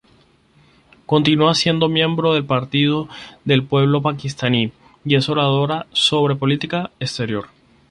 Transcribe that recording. Continúa siendo miembro del Partido del Pueblo Pakistaní y es oradora sobre política exterior.